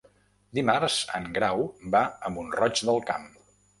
Dimarts en Grau va a Mont-roig del Camp.